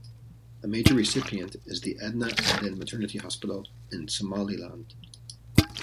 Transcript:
A major recipient is the Edna Adan Maternity Hospital in Somaliland.